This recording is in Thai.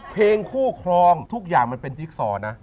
เพลงคู่ครองทุกอย่างมันเป็นจิ๊กซอนะ